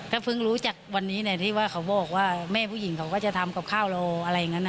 ก็เพิ่งรู้จักวันนี้แหละที่ว่าเขาบอกว่าแม่ผู้หญิงเขาก็จะทำกับข้าวเราอะไรอย่างนั้น